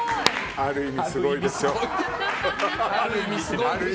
ある意味すごいでしょ。